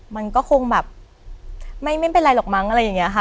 มันก็คงแบบไม่เป็นไรหรอกมั้งอะไรอย่างนี้ค่ะ